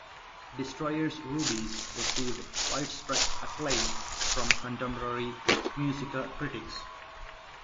"Destroyer's Rubies" received widespread acclaim from contemporary music critics.